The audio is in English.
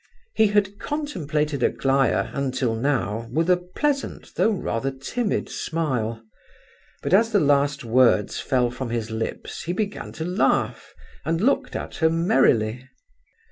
He had contemplated Aglaya until now, with a pleasant though rather timid smile, but as the last words fell from his lips he began to laugh, and looked at her merrily.